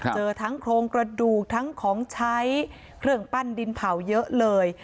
เจอทั้งโครงกระดูกทั้งของใช้เครื่องปั้นดินเผาเยอะเลย